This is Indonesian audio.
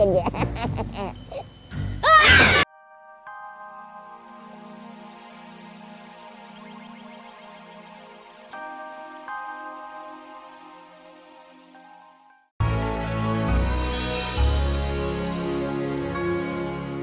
yaudah aku mau pergi